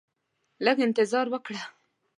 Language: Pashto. لږ انتظار وکړه